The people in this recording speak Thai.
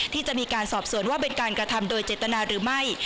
ที่จะมีการสอบสวนว่าเป็นการกระทำโดยเจตนาหรือไม่